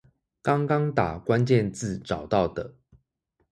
剛剛打關鍵字找到的